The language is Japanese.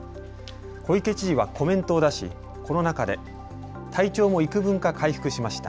小池知事はコメントを出し、この中で体調もいくぶんか回復しました。